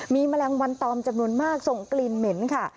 มีแมลงวันตอมจำนวนมากส่งกลิ่นเหม็นค่ะ